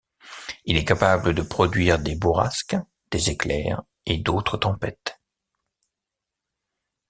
Il est capable de produire des bourrasques, des éclairs et d'autres tempêtes.